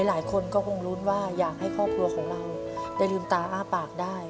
หลายคนก็คงลุ้นว่าอยากให้ครอบครัวของเราได้ลืมตาอ้าปากได้